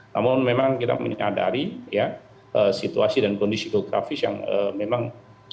namun memang kita menyadari situasi dan kondisi geografis yang memang